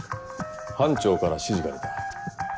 班長から指示が出た。